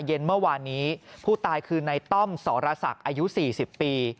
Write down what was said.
เย็นเมื่อวานนี้ผู้ตายคือในต้อมสรศักดิ์อายุ๔๐ปี